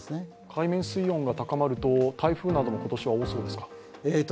海面水温が高まると台風なども今年は多そうですか。